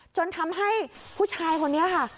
จนทำให้ผู้ชายคนนี้ค่ะ